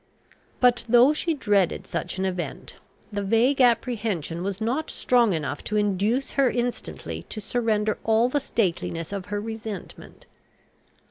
But, though she dreaded such an event, the vague apprehension was not strong enough to induce her instantly to surrender all the stateliness of her resentment.